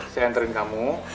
saya anterin kamu